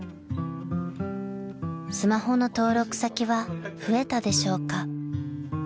［スマホの登録先は増えたでしょうか］